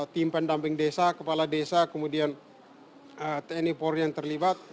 tim pendamping desa kepala desa kemudian tni polri yang terlibat